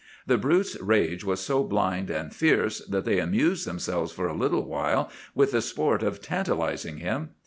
The brute's rage was so blind and fierce that they amused themselves for a little with the sport of tantalizing him.